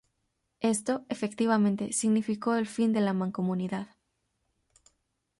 Esto, efectivamente, significó el fin de la Mancomunidad.